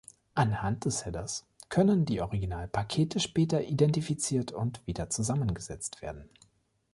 Anhand des Headers können die Original-Pakete später identifiziert und wieder zusammengesetzt werden.